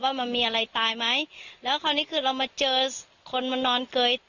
ว่ามันมีอะไรตายไหมแล้วคราวนี้คือเรามาเจอคนมานอนเกย